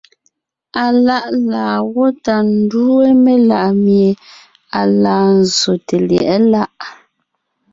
Aláʼ laa gwó tà ńdúe melaʼmie à laa nzsòte lyɛ̌ʼɛ láʼ.